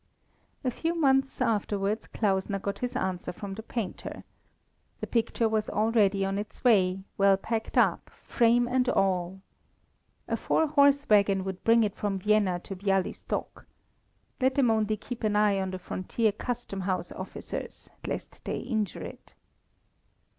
A few months afterwards Klausner got his answer from the painter. The picture was already on its way, well packed up, frame and all. A four horse waggon would bring it from Vienna to Bialystok. Let them only keep an eye on the frontier custom house officers, lest they injured it.